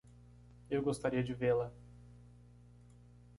Eu gostaria de vê-la.